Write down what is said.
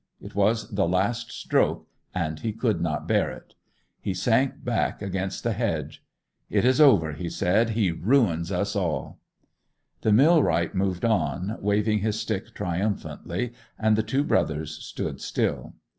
It was the last stroke, and he could not bear it. He sank back against the hedge. 'It is over!' he said. 'He ruins us all!' The millwright moved on, waving his stick triumphantly, and the two brothers stood still.